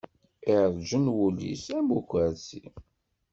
Iṛǧen wul-is, am ukurṣi.